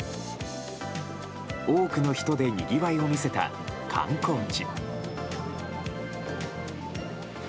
多くの人でにぎわいを見せた観光地。